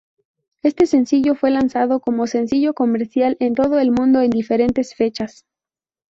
Este sencillo fue lanzado como sencillo comercial en todo el mundo en diferentes fechas.